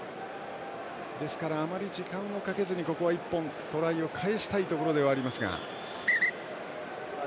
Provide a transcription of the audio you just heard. ですから、あまり時間をかけずにここは１本トライを返したいところではありますが。